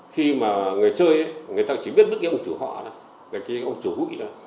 khi mà người chơi người ta chỉ biết bất kỳ ông chủ họ đó bất kỳ ông chủ hụi đó